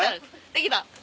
できた。